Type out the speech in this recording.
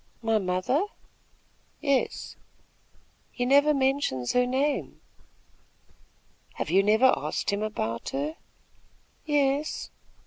"My mother?" "Yes." "He never mentions her name." "Have you never asked him about her?" "Yes."